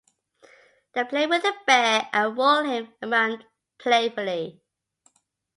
They play with the bear and roll him around playfully.